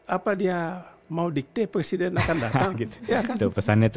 apa dia mau dikte presiden akan datang gitu